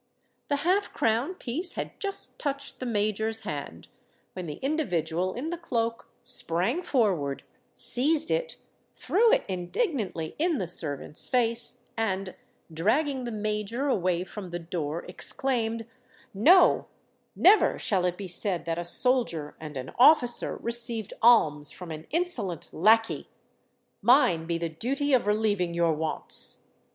The half crown piece had just touched the Major's hand, when the individual in the cloak sprang forward—seized it—threw it indignantly in the servant's face—and, dragging the Major away from the door, exclaimed, "No—never shall it be said that a soldier and an officer received alms from an insolent lacquey! Mine be the duty of relieving your wants."